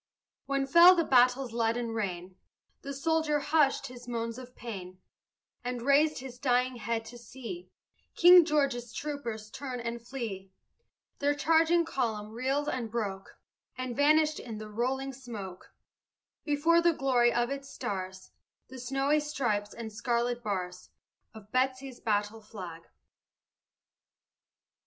When fell the battle's leaden rain, The soldier hushed his moans of pain And raised his dying head to see King George's troopers turn and flee. Their charging column reeled and broke, And vanished in the rolling smoke, Before the glory of the stars, The snowy stripes, and scarlet bars Of Betsy's battle flag.